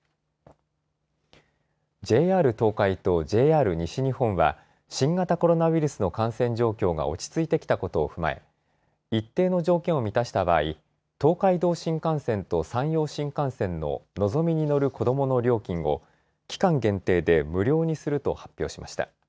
ＪＲ東海とＪＲ西日本は新型コロナウイルスの感染状況が落ち着いてきたことを踏まえ一定の条件を満たした場合、東海道新幹線と山陽新幹線ののぞみに乗る子どもの料金を期間限定で無料にすると発表しました。